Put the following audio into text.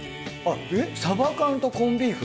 えっサバ缶とコンビーフ？